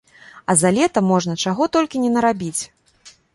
А за лета можна чаго толькі не нарабіць!